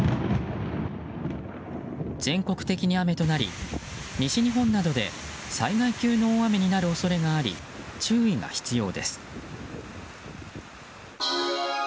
全国的に雨となり西日本などで災害級の大雨になる恐れがあり注意が必要です。